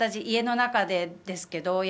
家の中でですけど。